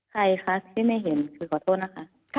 ใครคะที่ไม่เห็นคือขอโทษนะคะ